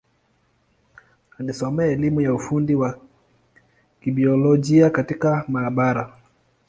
Alisomea elimu ya ufundi wa Kibiolojia katika maabara.